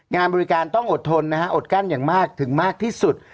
งานบริการต้องอดทนนะฮะอดกั้นอย่างมากถึงมากที่สุด